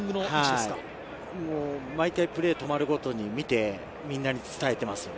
毎回プレーが止まるごとにいてみんなに伝えています。